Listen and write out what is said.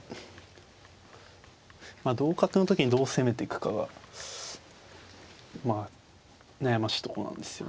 まあ同角の時にどう攻めていくかがまあ悩ましいとこなんですよね。